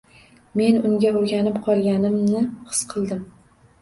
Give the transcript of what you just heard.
Men unga o’rganib qolganimni his qildim.